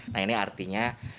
nah ini artinya